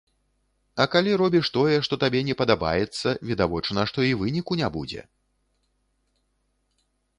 А калі робіш тое, што табе не падабаецца, відавочна, што і выніку не будзе.